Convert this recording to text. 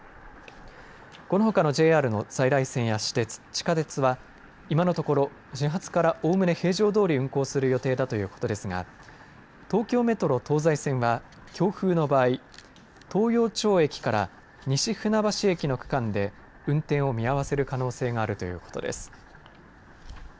このほかのＪＲの在来線や私鉄、地下鉄は今のところ始発からおおむね変更どおり運行する予定ですが東京メトロ東西線は東陽町駅から西船橋駅の区間で運転を見合わせる可能性があるということです。